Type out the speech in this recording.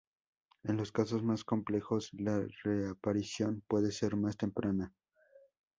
En los casos más complejos la reaparición puede ser más temprana.